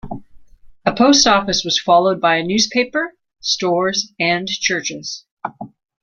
A post office was followed by a newspaper, stores and churches.